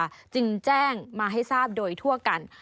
จึงแจ้งมาให้ทราบโดยทั่วกัน